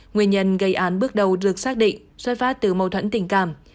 nguyên nhân gây án bước đầu được xác định xuất phát từ mâu thuẫn tình cảm